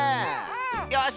よし！